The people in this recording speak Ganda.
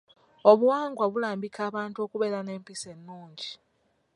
Obuwangwa bulambika abantu okubeera n'empisa ennungi.